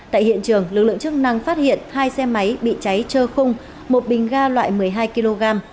tại hiện trường lực lượng chức năng phát hiện hai xe máy bị cháy trơ khung một bình ga loại một mươi hai kg